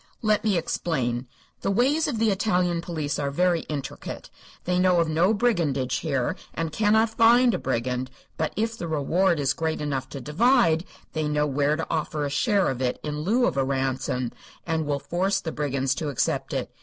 "Let me explain. The ways of the Italian police are very intricate. They know of no brigandage here, and cannot find a brigand. But if the reward is great enough to divide, they know where to offer a share of it, in lieu of a ransom, and will force the brigands to accept it.